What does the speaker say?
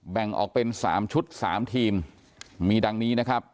แบ่งออกเป็นสามชุดสามทีมมีดังนี้นะครับ